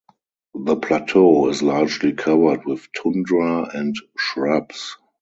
The plateau is largely covered with tundra and shrubs.